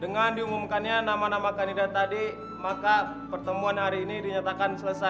dengan diumumkannya nama nama kandidat tadi maka pertemuan hari ini dinyatakan selesai